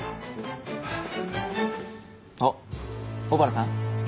あっ小原さん。